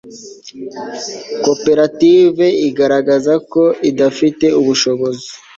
koperative igaragaza ko idafite ubushobozi